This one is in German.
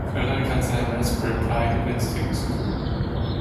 Frederik hat seinen Raspberry Pi geblitzdingst.